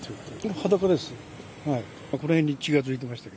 裸ですよ。